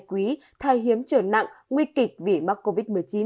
quý thai hiếm trở nặng nguy kịch vì mắc covid một mươi chín